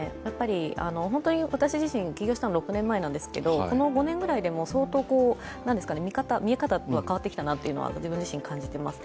私自身、起業したのは６年前ですがこの５年ぐらいで相当見え方が変わってきたなと異能は、自分自身感じています。